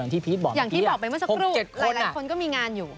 อย่างที่พีทบอกเมื่อสักครู่หลายคนก็มีงานอยู่